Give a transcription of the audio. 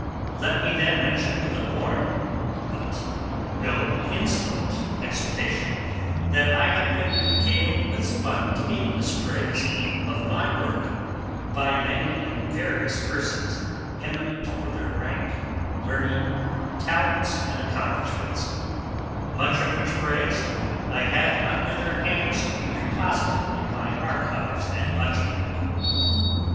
Let me then mention with a warm, but no insolent exultation, that I have been regaled with spontaneous praise of my work by many and various persons eminent for their rank, learning, talents and accomplishments; much of which praise I have under their hands to be reposited in my archives at Auchinleck.